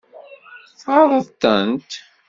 Tɣaḍeḍ-tent?